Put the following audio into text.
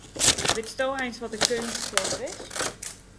Witsto eins wat in keunstskilder is?